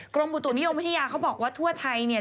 กรมอุตุนิยมวิทยาเขาบอกว่าทั่วไทยเนี่ย